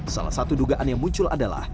salah satu dugaan yang muncul adalah